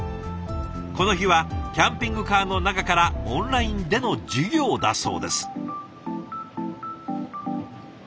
この日はキャンピングカーの中からオンラインでの授業だそうです。